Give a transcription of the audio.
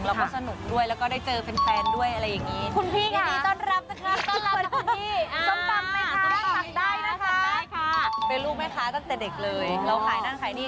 เราก็สนุกด้วยได้เจอเพื่อนแฟนด้วยอะไรอย่างนี้